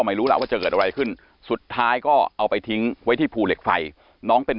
ไม่รู้ล่ะว่าจะเกิดอะไรขึ้นสุดท้ายก็เอาไปทิ้งไว้ที่ภูเหล็กไฟน้องเป็น